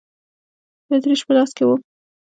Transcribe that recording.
د اتریش په لاس کې و.